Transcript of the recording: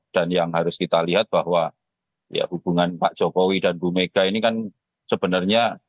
dan yang harus kita lihat bahwa hubungan pak jokowi dan bu mega ini kan sebenarnya